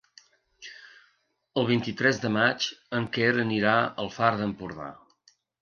El vint-i-tres de maig en Quer anirà al Far d'Empordà.